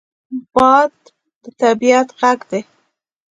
باد د طبعیت غږ دی